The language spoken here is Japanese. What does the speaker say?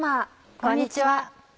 こんにちは。